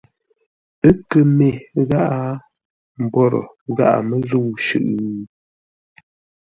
Ə́ kə mê gháʼá? Mbwórə gháʼa mbə́ zə̂u shʉʼʉ ?